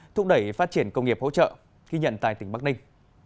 thúc đẩy phát triển công nghiệp hỗ trợ khi nhận tài tỉnh bắc ninh